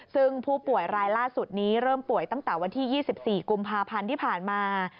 ซึ่งผู้ป่วยรายล่าสุดนี้เริ่มป่วยตั้งแต่วันที่๒๔กุมภาพันธ์ที่ผ่านมา